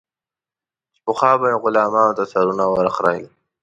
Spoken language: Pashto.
چې پخوا به یې غلامانو ته سرونه ور خرئېل.